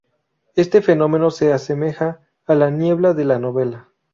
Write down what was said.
Este fenómeno, se asemeja a la niebla de la novela.